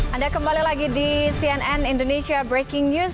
anda kembali lagi di cnn indonesia breaking news